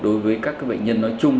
đối với các bệnh nhân nói chung